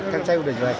kan saya sudah jelasin